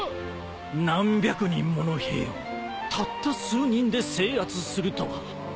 何百人もの兵をたった数人で制圧するとは。